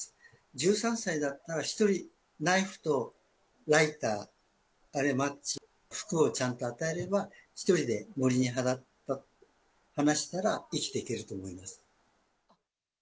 １３歳だったら、一人ナイフとライター、あるいはマッチ、服をちゃんと与えれば、一人で森に放したら生きていけると思います。